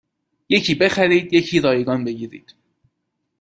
یکی بخرید یکی رایگان بگیرید